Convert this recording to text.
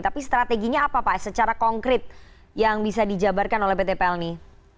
tapi strateginya apa pak secara konkret yang bisa dijabarkan oleh pt plni